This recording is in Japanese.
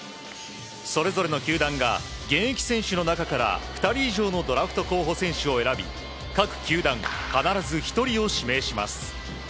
それぞれの球団が現役選手の中から２人以上のドラフト候補選手を選び各球団、必ず１人を指名します。